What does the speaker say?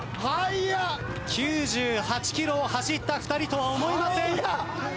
９８ｋｍを走った２人とは思えません。